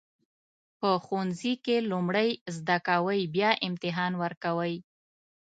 په ښوونځي کې لومړی زده کوئ بیا امتحان ورکوئ.